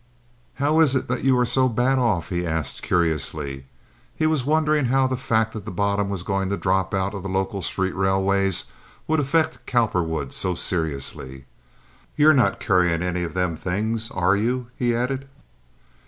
"How is it you're so bad off?" he asked, curiously. He was wondering how the fact that the bottom was going to drop out of local street railways would affect Cowperwood so seriously. "You're not carryin' any of them things, are you?" he added.